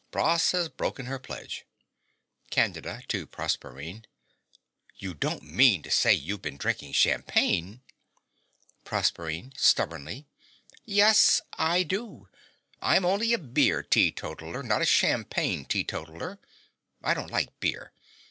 Pross has broken her pledge. CANDIDA (to Proserpine). You don't mean to say you've been drinking champagne! PROSERPINE (stubbornly). Yes, I do. I'm only a beer teetotaller, not a champagne teetotaller. I don't like beer.